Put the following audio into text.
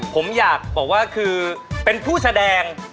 ผมอยากบอกว่าคือเป็นผู้แสดง